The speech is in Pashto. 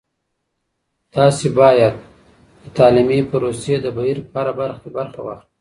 تاسې باید د تعلیمي پروسې د بهیر په هره برخه کې برخه واخلئ.